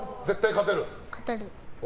勝てる。